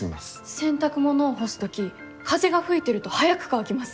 洗濯物を干す時風が吹いてると早く乾きます。